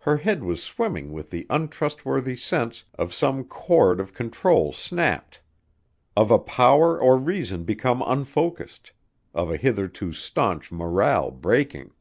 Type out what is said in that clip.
Her head was swimming with the untrustworthy sense of some cord of control snapped; of a power or reason become unfocused; of a hitherto staunch morale breaking.